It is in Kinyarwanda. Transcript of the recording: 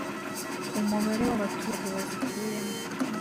umubare w’abaturage bazituyemo